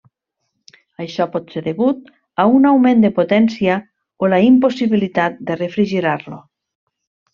Això pot ser degut a un augment de potència o la impossibilitat de refrigerar-lo.